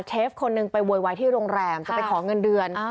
เชฟคนหนึ่งไปโวยวายที่โรงแรมจะไปขอเงินเดือน